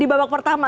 di babak pertama